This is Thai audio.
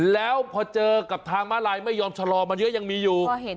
แล้วพอเจอกับทางม้าลายไม่ยอมชะลอมันเยอะยังมีอยู่